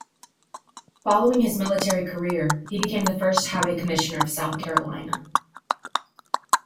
Following his military career he became the first Highway Commissioner of South Carolina.